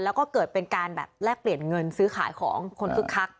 แล้วก็เกิดเป็นการแบบแลกเปลี่ยนเงินซื้อขายของคนคึกคัก